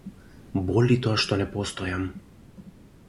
Боли тоа што не постојам.